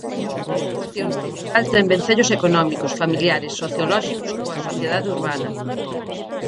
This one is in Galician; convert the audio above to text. A poboación rural ten vencellos económicos, familiares, sociolóxicos, coa sociedade urbana.